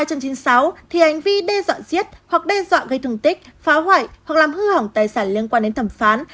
theo điều hai trăm chín mươi sáu thì hành vi đe dọa giết hoặc đe dọa gây thương tích phá hoại hoặc làm hư hỏng tài sản liên quan đến thẩm phán